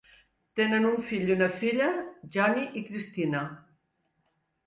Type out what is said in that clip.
Tenen un fill i una filla, Johnny i Christina.